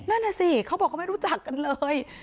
นั่นน่ะสิเขาบอกเขาไม่รู้จักกันเลย